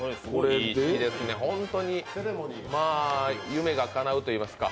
いいですね、本当に夢がかなうといいますか。